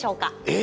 え。